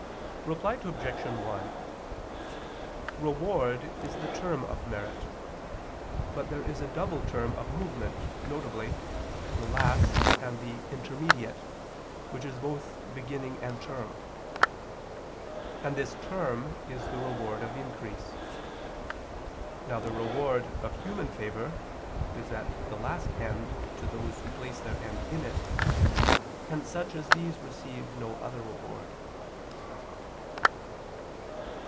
Reply Obj. 1: Reward is the term of merit. But there is a double term of movement, viz. the last, and the intermediate, which is both beginning and term; and this term is the reward of increase. Now the reward of human favor is as the last end to those who place their end in it; hence such as these receive no other reward.